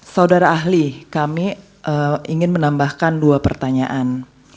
saudara ahli kami ingin menambahkan dua pertanyaan